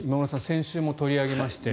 先週も取り上げまして。